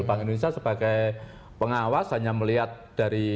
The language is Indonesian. bank indonesia sebagai pengawas hanya melihat dari